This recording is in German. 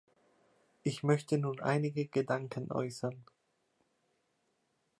Ich möchte nun einige Gedanken äußern.